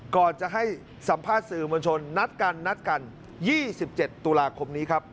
ก่อนจะให้สัมภาษณ์สื่อมวลชนนัดกันนัดกัน๒๗ตุลาคมนี้ครับ